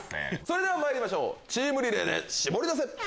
それではまいりましょうチームリレーでシボリダセ！